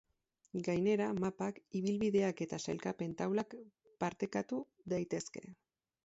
Gainera, mapak, ibilbideak eta sailkapen-taulak partekatu daitezke.